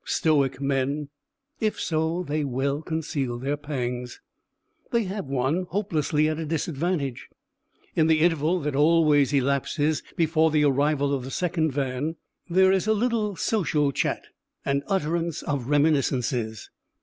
Stoic men, if so, they well conceal their pangs. They have one hopelessly at a disadvantage. In the interval that always elapses before the arrival of the second van, there is a little social chat and utterance of reminiscences.